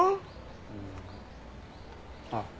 うん。あっ。